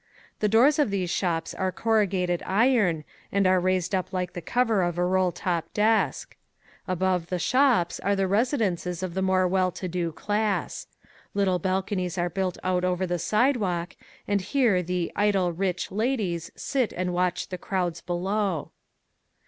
The doors of these shops are corrugated iron and are raised up like the cover of a roll top desk. Above the shops are the residences of the more well to do class. Little balconies are built out over the sidewalk and here the "idle rich" ladies sit and watch the crowds below.